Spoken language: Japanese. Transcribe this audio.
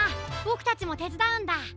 ボクたちもてつだうんだ。